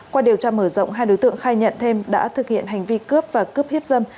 qua điều tra mở rộng hai đối tượng khai nhận thêm đã thực hiện hành vi cướp và cướp hiếp dâm